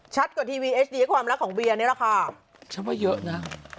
ชัดกว่าทีวีเอสเดียกว่ามันนะของเวียร์ชอบเยอะนะ